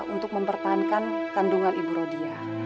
untuk mempertahankan kandungan ibu rodia